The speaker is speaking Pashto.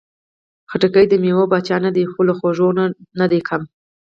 خټکی د مېوې پاچا نه ده، خو له خوږو نه ده کمه.